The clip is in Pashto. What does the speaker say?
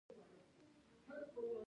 د همدې په زور عالم راته غلام دی